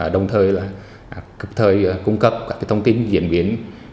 đồng thời là cực thời cung cấp các thông tin diễn biến